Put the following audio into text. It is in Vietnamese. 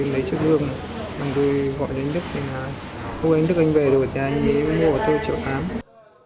đường thằng tôi gọi đến đức thằng tôi gọi đến đức anh về rồi anh mua ô tô chỗ ám